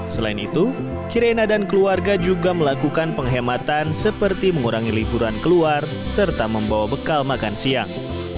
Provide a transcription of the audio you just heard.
selain itu kiraena dan keluarga juga melakukan penghematan seperti mengurangi liburan keluar serta membawa bekal makan siang